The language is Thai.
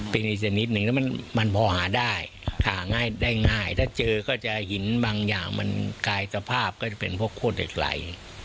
เป็นอีกสักนิดนึงแล้วมันพอหาได้หาง่ายได้ง่ายถ้าเจอก็จะหินบางอย่างมันกลายสภาพก็จะเป็นพวกโคตรเหล็กไหล